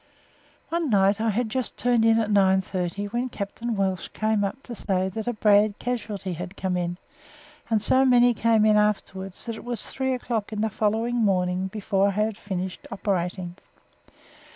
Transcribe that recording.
One night I had just turned in at nine thirty, when Captain Welch came up to say that a bad casualty had come in, and so many came in afterwards that it was three o'clock in the following morning before I had finished operating.